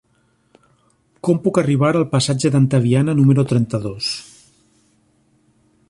Com puc arribar al passatge d'Antaviana número trenta-dos?